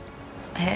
えっ？